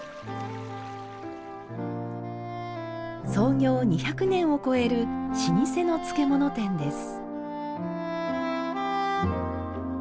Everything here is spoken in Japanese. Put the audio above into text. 創業２００年を超える老舗の漬物店です。